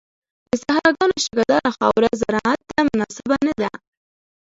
د صحراګانو شګهداره خاوره زراعت ته مناسبه نه ده.